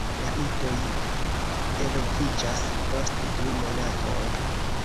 La idoj eloviĝas post du monatoj.